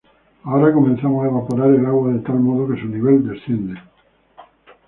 Ahora comenzamos a evaporar el agua de tal modo que su nivel desciende.